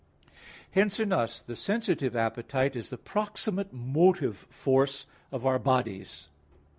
Hence, in us the sensitive appetite is the proximate motive force of our bodies.